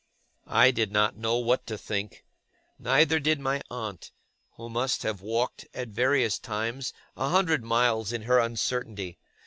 I did not know what to think. Neither did my aunt; who must have walked, at various times, a hundred miles in her uncertainty.